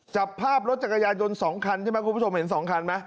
จับภาพรถจักรยานยนต์๒คันใช่ไหมคุณผู้ชมเห็น๒คันไหม